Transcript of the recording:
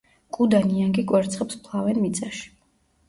კუ და ნიანგი კვერცხებს ფლავენ მიწაში.